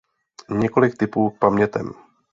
Několik tipů k pamětem